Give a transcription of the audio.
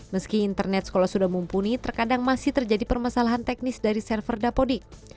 meski internet sekolah sudah mumpuni terkadang masih terjadi permasalahan teknis dari server dapodik